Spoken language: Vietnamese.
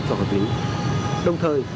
cho hợp lý đồng thời